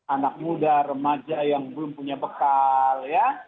anak muda remaja yang belum punya bekal ya